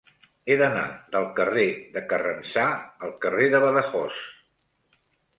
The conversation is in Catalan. He d'anar del carrer de Carrencà al carrer de Badajoz.